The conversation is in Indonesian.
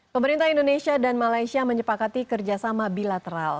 pemerintah indonesia dan malaysia menyepakati kerjasama bilateral